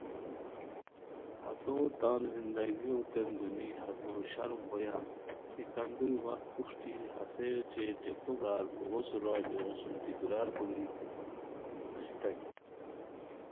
ہتوتان زندگیو تین دونی ہتو شرم بویان کی کندوری وخت پروشٹی ہسے اوچے ٹیکو برار اوغو سورا ایغوسُم تکرار کوری اسیتانی